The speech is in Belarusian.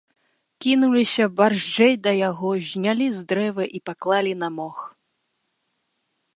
Кінуліся барзджэй да яго, знялі з дрэва і паклалі на мох.